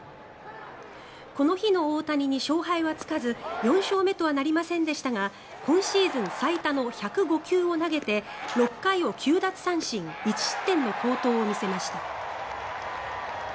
この日の大谷に勝敗はつかず４勝目とはなりませんでしたが今シーズン最多の１０５球を投げて６回を９奪三振１失点の好投を見せました。